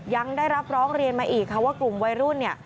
ยังได้รับร้องเรียนมาอีกค่ะว่ากลุ่มวัยรุ่นเนี่ย